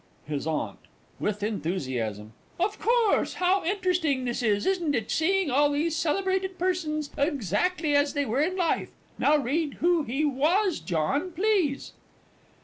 HIS AUNT (with enthusiasm). Of course how interesting this is, isn't it? seeing all these celebrated persons exactly as they were in life! Now read who he was, John, please.